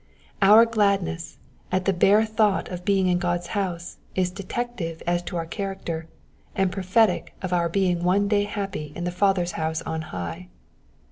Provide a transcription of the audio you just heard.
Our gladness at the bare thought of being in God's house is detective as to our character, and prophetic of our being one day happy in the Father's house on high.